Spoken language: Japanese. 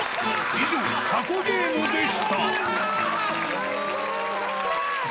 以上、タコゲームでした。